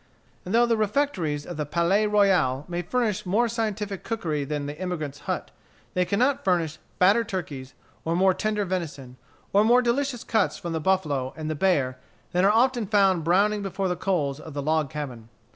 And though the refectories of the Palais Royal may furnish more scientific cookery than the emigrant's hut, they cannot furnish fatter turkeys, or more tender venison, or more delicious cuts from the buffalo and the bear than are often found browning before the coals of the log cabin.